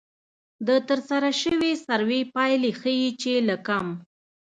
د ترسره شوې سروې پایلې ښيي چې له کم